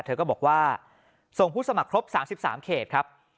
เธอก็บอกว่าส่งผู้สมัครครบ๓๓เขตครับ